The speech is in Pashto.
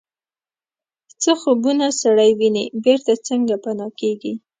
څه خوبونه سړی ویني بیرته څنګه پناه کیږي